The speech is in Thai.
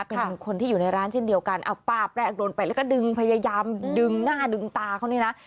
เป็นคนที่อยู่ในร้านเช่นเดียวกันเอาป้าบแรกโดนไปแล้วก็ดึงพยายามดึงหน้าดึงตาเขานี่นะ